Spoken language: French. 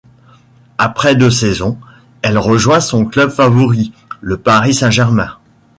Après deux saisons, elle rejoint son club favori, le Paris Saint-Germain.